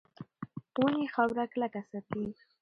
ونې خاوره کلکه ساتي.